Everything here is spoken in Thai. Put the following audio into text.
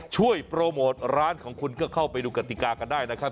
โปรโมทร้านของคุณก็เข้าไปดูกติกากันได้นะครับ